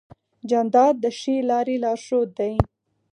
جانداد د ښې لارې لارښود دی.